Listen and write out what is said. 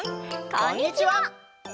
こんにちは。